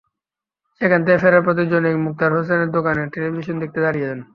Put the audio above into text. সেখান থেকে ফেরার পথে জনৈক মুক্তার হোসেনের দোকানে টেলিভিশন দেখতে দাঁড়িয়ে যান।